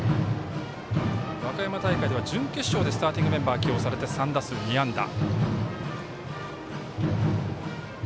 和歌山大会では準決勝でスターティングメンバーに起用されて３打数２安打。